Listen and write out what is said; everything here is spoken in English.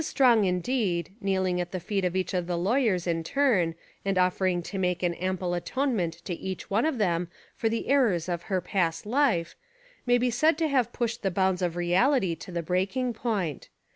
Strong, indeed, kneeling at the feet of each of the law yers in turn and offering to make an ample atonement to each one of them for the errors of her past life, may be said to have pushed the bounds of reality to the breaking point.